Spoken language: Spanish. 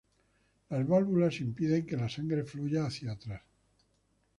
Las válvulas impiden que la sangre fluya hacia atrás.